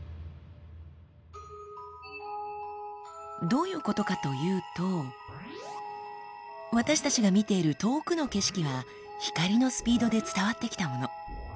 どういうことかというと私たちが見ている遠くの景色は光のスピードで伝わってきたもの。